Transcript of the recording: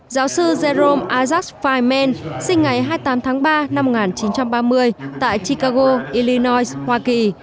giáo sư jerome isaac feynman sinh ngày hai mươi tám tháng ba năm một nghìn chín trăm ba mươi tại chicago illinois hoa kỳ